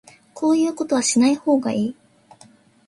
こういうことはしない方がいい